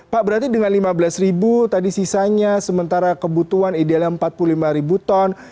pak berarti dengan rp lima belas tadi sisanya sementara kebutuhan idealnya rp empat puluh lima ton